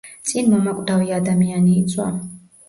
წინ მომაკვდავი ადამიანი იწვა.